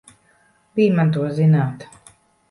Bij man to zināt!